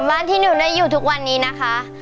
บ้านที่หนูได้อยู่ทุกวันนี้นะคะ